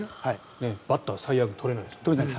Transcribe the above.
バッターはサイ・ヤング取れないですからね。